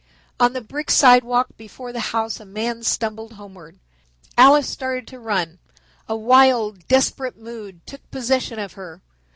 On the brick sidewalk before the house a man stumbled homeward. Alice started to run. A wild, desperate mood took possession of her.